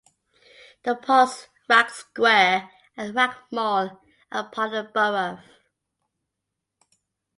The parks Wragg Square and Wragg Mall are part of the borough.